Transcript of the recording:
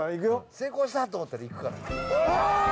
成功したと思ったら行くから。